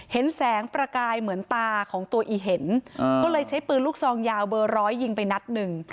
เห็นแสงประกายเหมือนตาของตัวอีเห็นก็เลยใช้ปืนลูกซองยาวเบอร์ร้อยยิงไปนัดหนึ่ง